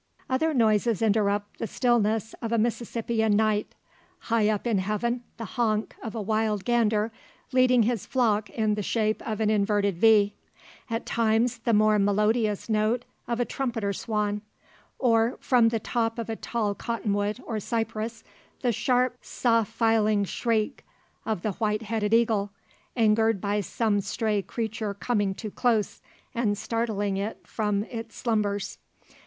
Other noises interrupt the stillness of a Mississippian night. High up in heaven the "honk" of a wild gander leading his flock in the shape of an inverted V; at times the more melodious note of a trumpeter swan; or from the top of a tall cottonwood, or cypress, the sharp saw filing shriek of the white headed eagle, angered by some stray creature coming too close, and startling it from its slumbers.